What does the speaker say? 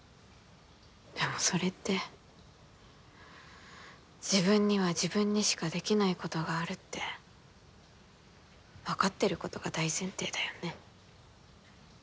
でもそれって自分には自分にしかできないことがあるって分かってることが大前提だよね。